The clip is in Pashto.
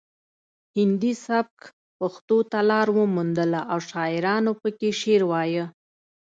هندي سبک پښتو ته لار وموندله او شاعرانو پکې شعر وایه